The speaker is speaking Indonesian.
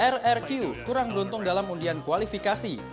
rrq kurang beruntung dalam undian kualifikasi